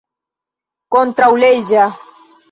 kontraŭleĝa